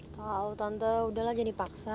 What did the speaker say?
tau tante udahlah jangan dipaksa